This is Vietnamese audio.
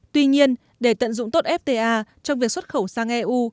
tuy nhiên để tận dụng tốt fta trong việc xuất khẩu sang eu